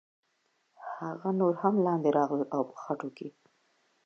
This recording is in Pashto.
هغه نور هم لاندې راغلل او په خټو کې.